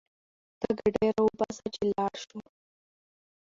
ته ګاډی راوباسه چې لاړ شو